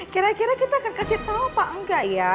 kira kira kita akan kasih tau pak enggak ya